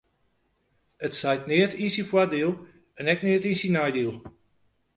It seit neat yn syn foardiel en ek net yn syn neidiel.